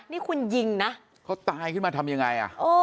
นี่คุณยิงนะเขาตายขึ้นมาทำยังไงอ่ะ